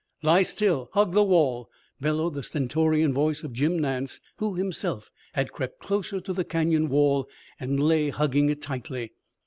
"Lie still. Hug the wall!" bellowed the stentorian voice of Jim Nance, who himself had crept closer to the Canyon wall and lay hugging it tightly.